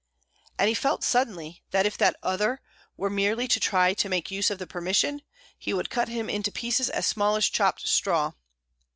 And he felt suddenly that if that "other" were merely to try to make use of the permission, he would cut him into pieces as small as chopped straw.